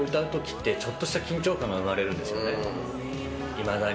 いまだに。